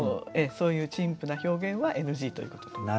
そういう陳腐な表現はＮＧということで。